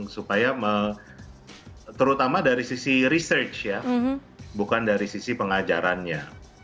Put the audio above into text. supaya terutama dari sisi research ya bukan dari sisi pengajarannya